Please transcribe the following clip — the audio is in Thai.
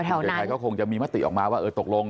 ยังไงก็คงจะมีมติออกมาว่าเออตกลง